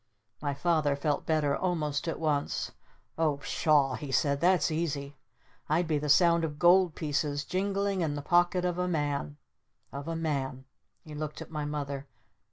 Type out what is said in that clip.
My Father felt better almost at once. "Oh Pshaw!" he said. "That's easy. I'd be the Sound of Gold Pieces jingling in the pocket of a man of a man " He looked at my Mother.